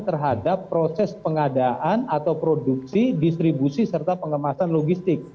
terhadap proses pengadaan atau produksi distribusi serta pengemasan logistik